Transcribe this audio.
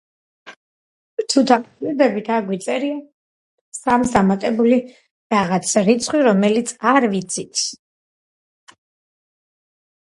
თუ დააკვირდებით, აქ გვიწერია სამს დამატებული რაღაც რიცხვი, რომელიც არ ვიცით.